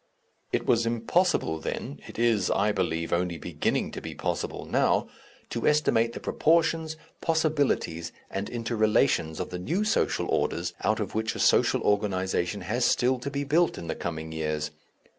It was impossible then it is, I believe, only beginning to be possible now to estimate the proportions, possibilities, and inter relations of the new social orders out of which a social organization has still to be built in the coming years.